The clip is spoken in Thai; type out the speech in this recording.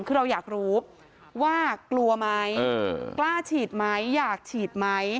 คือเราอยากรู้ว่ากลัวไหมกล้าฉีดไหมอยากฉีดไหม